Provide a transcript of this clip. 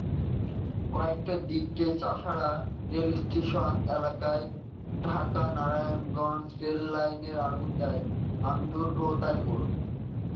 কয়টার দিকে চাষাঢ়া রেলস্টেশন এলাকায় ঢাকানারায়ণগঞ্জ ট্রেনের লাইনে আগুন দেন আমিনুল ও তরিকুল?